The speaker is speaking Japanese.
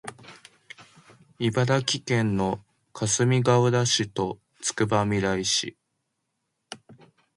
茨城県のかすみがうら市とつくばみらい市